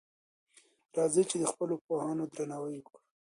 راځئ چی د خپلو پوهانو درناوی وکړو.